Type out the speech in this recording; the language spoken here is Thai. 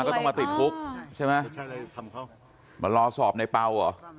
ก็ต้องมาติดครุกใช่ไหมก็ใช้เลยบันเขามารอสอบในเปล้าอ่ะ